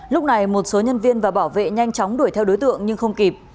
lúc này một số nhân viên và bảo vệ nhanh chóng đuổi theo đối tượng nhưng không kịp